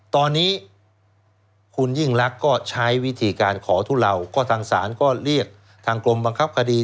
ตอนนี้คุณยิ่งลักษณ์ก็ใช้วิธีการขอทุเลาก็ทางศาลก็เรียกทางกรมบังคับคดี